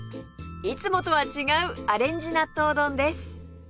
いつもとは違うアレンジ納豆丼です